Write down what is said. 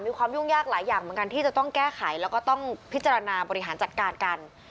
ความยุ่งยากหลายอย่างเหมือนกันที่จะต้องแก้ไขแล้วก็ต้องพิจารณาบริหารจัดการกัน